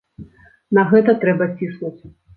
На гэта трэба ціснуць.